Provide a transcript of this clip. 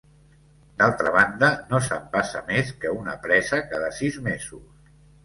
D'altra banda, no s'empassa més que una presa cada sis mesos.